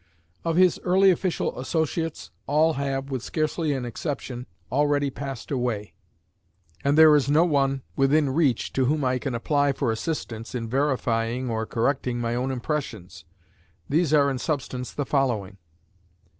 Of his early official associates, all have, with scarcely an exception, already passed away; and there is no one within reach to whom I can apply for assistance in verifying or correcting my own impressions. These are in substance the following.